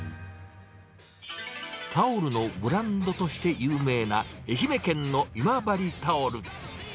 タオルのブランドとして有名な愛媛県の今治タオル。